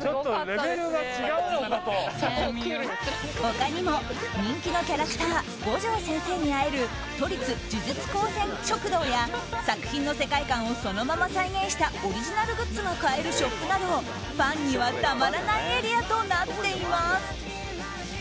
他にも、人気のキャラクター五条先生に会える都立呪術高専食堂や作品の世界観をそのまま再現したオリジナルグッズが買えるショップなどファンにはたまらないエリアとなっています。